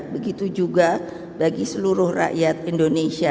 begitu juga bagi seluruh rakyat indonesia